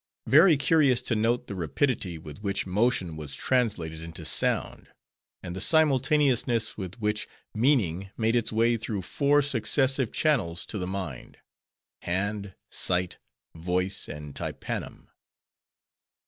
Very curious to note the rapidity with which motion was translated into sound; and the simultaneousness with which meaning made its way through four successive channels to the mind—hand, sight, voice, and tympanum.